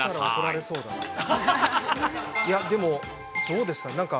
いや、でもどうですか。